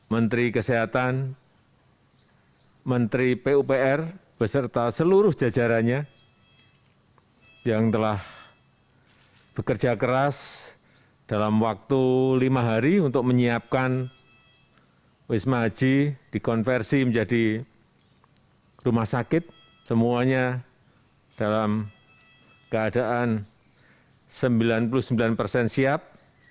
menteri kesehatan menteri pupr beserta seluruh jajarannya yang telah bekerja keras dalam waktu lima hari untuk menyiapkan rs wisma haji dikonversi menjadi rumah sakit semuanya dalam keadaan sembilan puluh sembilan persen siap